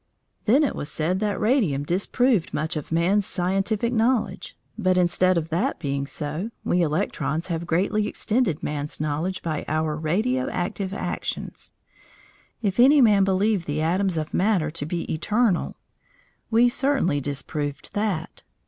Then it was said that radium disproved much of man's scientific knowledge, but instead of that being so, we electrons have greatly extended man's knowledge by our radio active actions. If any man believed the atoms of matter to be eternal, we certainly disproved that.